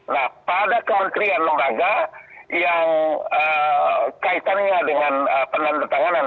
nah pada kementerian lembaga yang kaitannya dengan penandatanganan